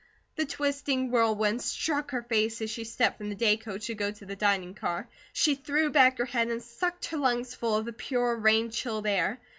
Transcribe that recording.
The twisting whirlwind struck her face as she stepped from the day coach to go to the dining car. She threw back her head and sucked her lungs full of the pure, rain chilled air.